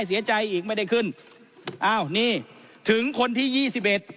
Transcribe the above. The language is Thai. เสียใจอีกไม่ได้ขึ้นอ้าวนี่ถึงคนที่ยี่สิบเอ็ด